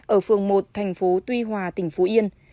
ở phường một thành phố tuy hòa tỉnh phú yên